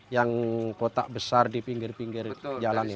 yang kotak besar di pinggir pinggir jalan itu